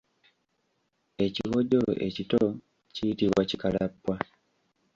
Ekiwojjolo ekito kiyitibwa Kikalappwa.